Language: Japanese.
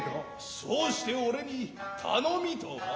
そうして俺に頼みとは。